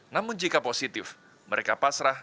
namun jika positif mereka pasrah